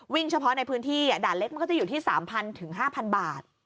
เฉพาะในพื้นที่ด่านเล็กมันก็จะอยู่ที่๓๐๐๕๐๐บาท